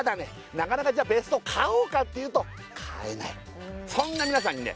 なかなかじゃ別荘買おうかっていうと買えないそんなみなさんにね